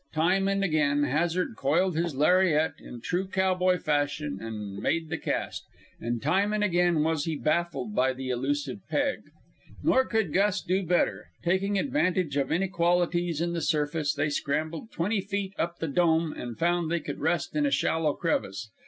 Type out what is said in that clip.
Time and again Hazard coiled his lariat in true cowboy fashion and made the cast, and time and again was he baffled by the elusive peg. Nor could Gus do better. Taking advantage of inequalities in the surface, they scrambled twenty feet up the Dome and found they could rest in a shallow crevice.